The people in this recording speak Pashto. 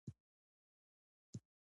اقتصاد د تولیدي واحدونو فعالیتونه ارزوي.